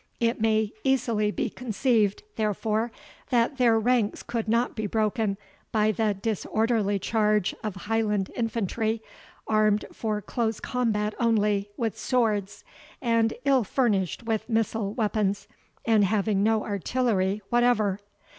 It may easily be conceived, therefore, that their ranks could not be broken by the disorderly charge of Highland infantry armed for close combat only, with swords, and ill furnished with missile weapons, and having no artillery whatever.